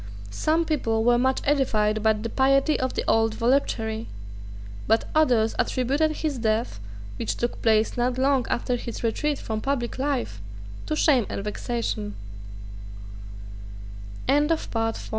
Some people were much edified by the piety of the old voluptuary: but others attributed his death, which took place not long after his retreat from public life, to shame and vexation, The Count